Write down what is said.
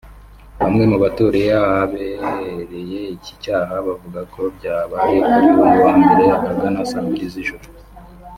Bamwe mu baturiye ahabereye iki cyaha bavuga ko byabaye kuri uyu wa mbere ahagana saa mbiri z’ijoro